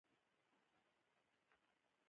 ویده ماشوم د شیدو بوی خوښوي